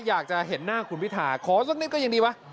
อยากจะเห็นหน้าของคุณพิธา